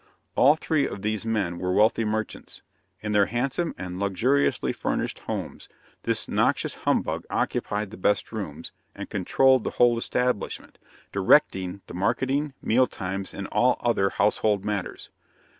All three of these men were wealthy merchants. In their handsome and luxuriously furnished homes, this noxious humbug occupied the best rooms, and controlled the whole establishment, directing the marketing, meal times, and all other household matters.